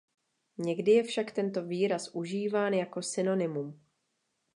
Někdy je však tento výraz užíván jako synonymum.